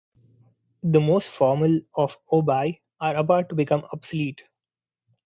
The most formal of obi are about to become obsolete.